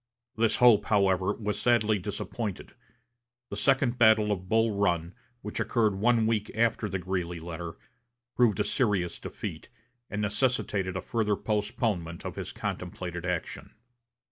This hope, however, was sadly disappointed. The second battle of Bull Run, which occurred one week after the Greeley letter, proved a serious defeat, and necessitated a further postponement of his contemplated action.